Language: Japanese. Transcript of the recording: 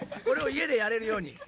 これをいえでやれるように。